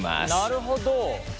なるほど！